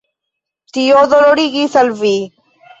Tio dolorigis al vi.